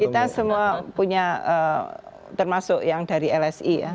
kita semua punya termasuk yang dari lsi ya